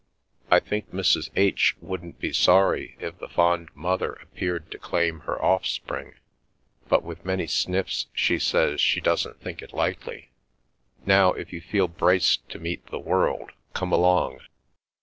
I think Mrs. H. wouldn't be sorry if the fond mother appeared to claim her offspring, but with many sniffs she says she doesn't think it likely. Now, if you feel braced to meet the world, come along."